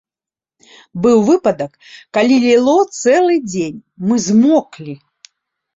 Быў выпадак, калі ліло цэлы дзень, мы змоклі.